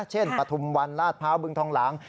ปฐุมวันลาดพร้าวบึงทองหลัง